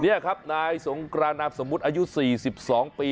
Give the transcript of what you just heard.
อ๋อเนี่ยครับนายสงครานนามสมมุตรอายุสี่สิบสองปี